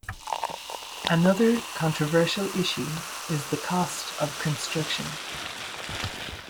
Another controversial issue is the cost of construction.